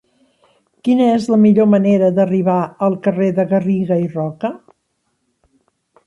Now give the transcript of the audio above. Quina és la millor manera d'arribar al carrer de Garriga i Roca?